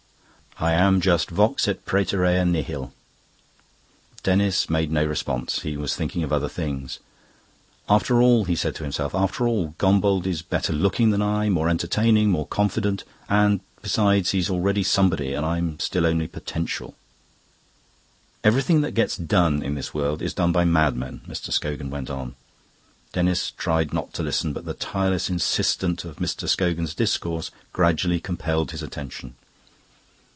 I am just Vox et praeterea nihil." Denis made no response; he was thinking of other things. "After all," he said to himself "after all, Gombauld is better looking than I, more entertaining, more confident; and, besides, he's already somebody and I'm still only potential..." "Everything that ever gets done in this world is done by madmen," Mr. Scogan went on. Denis tried not to listen, but the tireless insistence of Mr. Scogan's discourse gradually compelled his attention.